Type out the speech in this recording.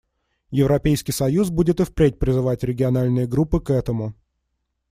Европейский союз будет и впредь призывать региональные группы к этому.